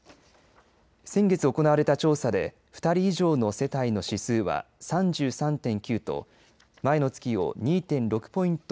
先月行われた調査で２人以上の世帯の指数は３３．９と前の月を２．６ポイント